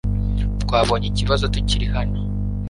Twabonye ikibazo tukiri hano .